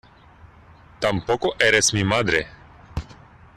tampoco eres mi madre.